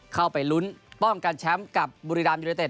เข้าไปลุ้นป้องกันแชมป์กับบุรีรามยูเนเต็